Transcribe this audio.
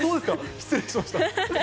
失礼しました。